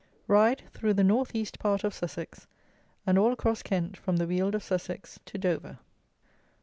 RIDE THROUGH THE NORTH EAST PART OF SUSSEX, AND ALL ACROSS KENT, FROM THE WEALD OF SUSSEX, TO DOVER.